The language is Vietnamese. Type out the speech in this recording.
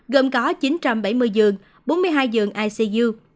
gồm có chín trăm bảy mươi giường bốn mươi hai giường icu